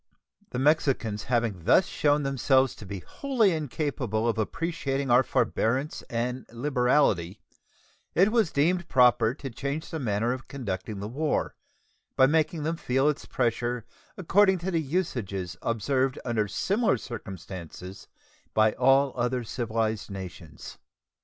The Mexicans having thus shown themselves to be wholly incapable of appreciating our forbearance and liberality, it was deemed proper to change the manner of conducting the war, by making them feel its pressure according to the usages observed under similar circumstances by all other civilized nations.